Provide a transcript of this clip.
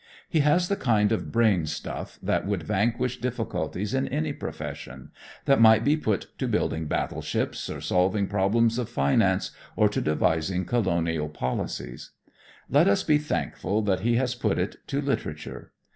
He has the kind of brain stuff that would vanquish difficulties in any profession, that might be put to building battleships, or solving problems of finance, or to devising colonial policies. Let us be thankful that he has put it to literature.